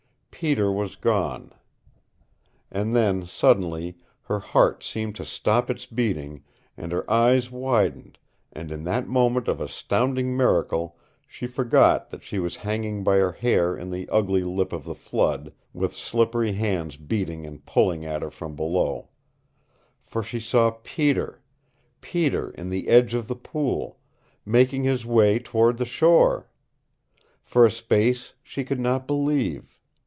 Peter was gone. And then, suddenly, her heart seemed to stop its beating, and her eyes widened, and in that moment of astounding miracle she forgot that she was hanging by her hair in the ugly lip of the flood, with slippery hands beating and pulling at her from below. For she saw Peter Peter in the edge of the pool making his way toward the shore! For a space she could not believe.